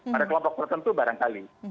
pada kelompok tertentu barangkali